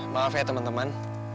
maaf ya temen temen